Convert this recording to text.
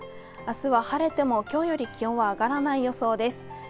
明日は晴れても今日より気温は上がらない予想です。